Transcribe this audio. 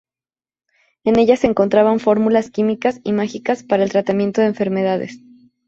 En ella se encontraban fórmulas químicas y mágicas para el tratamiento de enfermedades.